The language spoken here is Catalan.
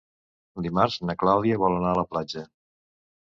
Dimarts na Clàudia vol anar a la platja.